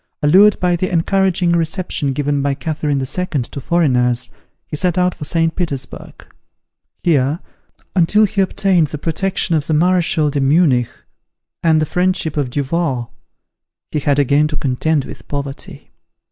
Allured by the encouraging reception given by Catherine II. to foreigners, he set out for St. Petersburg. Here, until he obtained the protection of the Marechal de Munich, and the friendship of Duval, he had again to contend with poverty.